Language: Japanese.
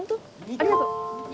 ありがとう。